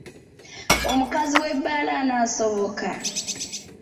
Omukazi w'ebbaala anasoboka?